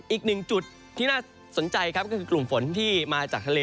อีกหนึ่งจุดที่น่าสนใจครับก็คือกลุ่มฝนที่มาจากทะเล